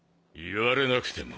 言われなくても。